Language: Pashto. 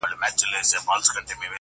اوس به څوك اوري آواز د پردېسانو!!